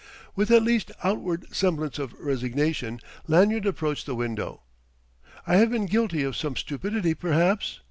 With at least outward semblance of resignation, Lanyard approached the window. "I have been guilty of some stupidity, perhaps?"